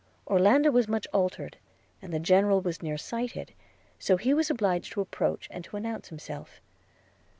Orlando was much altered, and the General was near sighted; so that he was obliged to approach, and to announce himself.